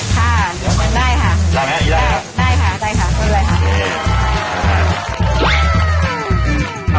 ค่ะได้ค่ะได้ไหมได้ค่ะได้ค่ะได้ค่ะได้เลยค่ะอ่า